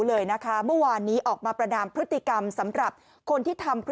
เลยนะคะเมื่อวานนี้ออกมาประดาบพฤติกรรม